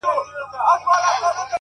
گل وي ياران وي او سايه د غرمې،